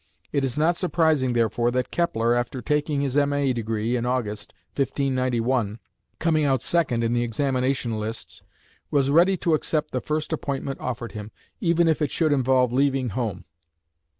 It is not surprising therefore that Kepler after taking his M.A. degree in August, 1591, coming out second in the examination lists, was ready to accept the first appointment offered him, even if it should involve leaving home.